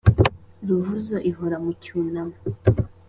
ruvuzo ihora mu cyunamo.